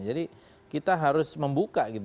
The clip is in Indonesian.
jadi kita harus membuka gitu